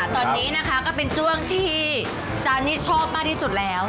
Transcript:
ตอนนี้นะคะก็เป็นช่วงที่จานนี่ชอบมากที่สุดแล้ว